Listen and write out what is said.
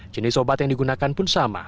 jenis obat yang digunakan pun sama